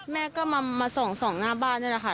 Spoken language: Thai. แม่ก็มาส่องหน้าบ้านนี่แหละค่ะ